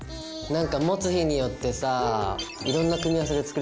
何か持つ日によってさいろんな組み合わせで作りたいよね。